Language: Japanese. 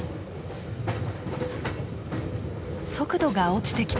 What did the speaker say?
速度が落ちてきた。